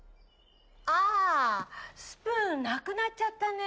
あスプーンなくなっちゃったね。